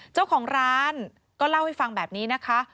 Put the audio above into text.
เจ้าของร้านก็เล่าให้ฟังแบบนี้นะคะ